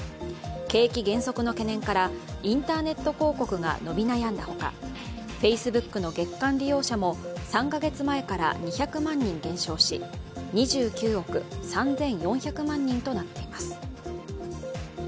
景気減速の懸念からインターネット広告が伸び悩んだほかＦａｃｅｂｏｏｋの月間利用者も３カ月前から２００万人減少し２９億３４００万人となっています。